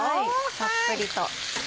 たっぷりと。